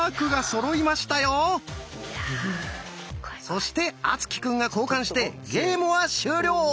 そして敦貴くんが交換してゲームは終了。